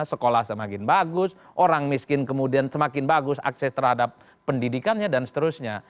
sekolah semakin bagus orang miskin kemudian semakin bagus akses terhadap pendidikannya dan seterusnya